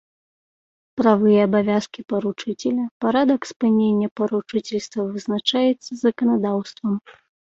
Правы і абавязкі паручыцеля, парадак спынення паручыцельства вызначаецца заканадаўствам.